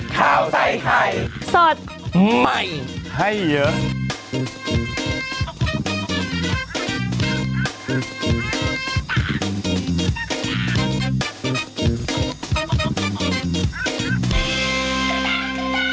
ข้าวใส่ไข่สดใหม่ให้เยอะ